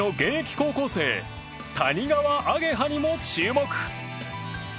高校生谷川亜華葉にも注目。